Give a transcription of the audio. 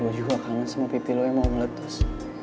gue juga kangen sama pipi lo yang mau meletus